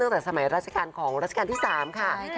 ตั้งแต่สมัยราชการของราชการที่๓ค่ะ